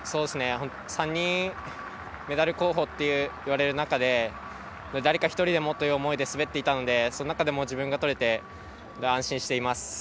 ３人メダル候補といわれる中で誰が１人でもという思いで滑っていたのでその中でも自分がとれて安心しています。